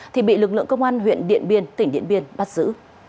thì bị lực lượng công an huyện điện biên tỉnh điện biên bắt giữ